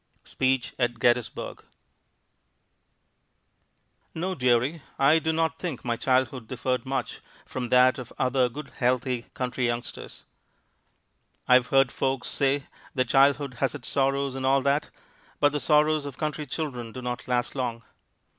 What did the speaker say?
Speech at Gettysburg [Illustration: ABRAHAM LINCOLN] No, dearie, I do not think my childhood differed much from that of other good healthy country youngsters. I've heard folks say that childhood has its sorrows and all that, but the sorrows of country children do not last long.